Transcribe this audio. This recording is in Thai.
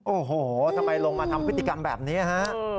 โอ้โหทำไมลงมาทำพฤติกรรมแบบนี้ฮะ